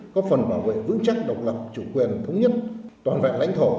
góp phần bảo vệ vững chắc độc lập chủ quyền thống nhất toàn vẹn lãnh thổ